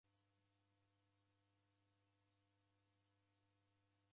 Kavui kila mndu oka na w'asi.